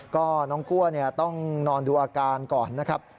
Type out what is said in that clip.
ก็น้องกลัวต้องนอนดูอาการก่อนนะครับ